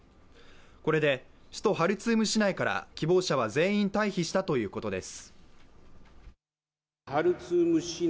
これで首都ハルツーム市内から希望者は全員退避したということです。